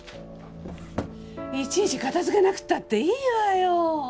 いちいち片づけなくったっていいわよ！